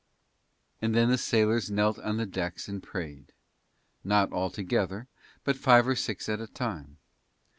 And then the sailors knelt on the decks and prayed, not all together, but five or six at a time.